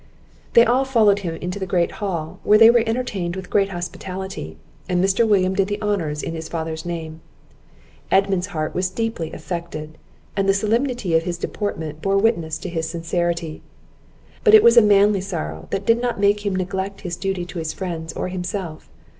They all followed him into the great hall, where they were entertained with great hospitality, and Mr. William did the honours in his father's name. Edmund's heart was deeply affected, and the solemnity of his deportment bore witness to his sincerity; but it was a manly sorrow, that did not make him neglect his duty to his friends or himself.